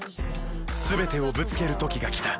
全てをぶつける時がきた